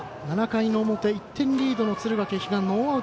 ７回の表、１点リードの敦賀気比